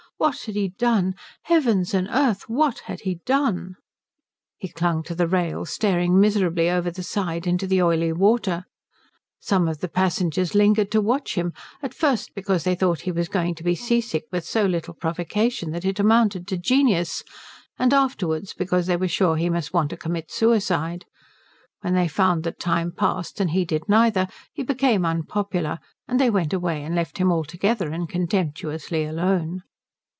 What had he done? Heavens and earth, what had he done? He clung to the rail, staring miserably over the side into the oily water. Some of the passengers lingered to watch him, at first because they thought he was going to be seasick with so little provocation that it amounted to genius, and afterwards because they were sure he must want to commit suicide. When they found that time passed and he did neither, he became unpopular, and they went away and left him altogether and contemptuously alone.